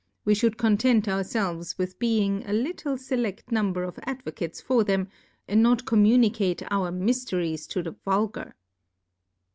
We Hiould content our felves with being a little felecl Number of Advocates for them, and not com municate ou\: Mjfteries to the Vulgar.